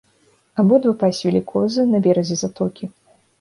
Абодва пасвілі козы на беразе затокі.